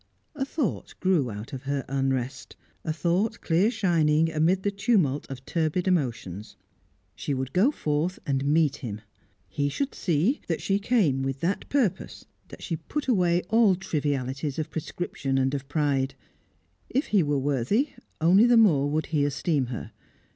A thought grew out of her unrest a thought clear shining amid the tumult of turbid emotions. She would go forth to meet him. He should see that she came with that purpose that she put away all trivialities of prescription and of pride. If he were worthy, only the more would he esteem her.